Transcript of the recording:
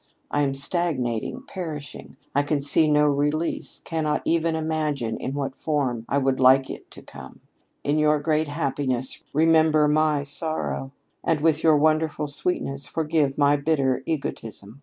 I am stagnating, perishing. I can see no release cannot even imagine in what form I would like it to come. In your great happiness remember my sorrow. And with your wonderful sweetness forgive my bitter egotism.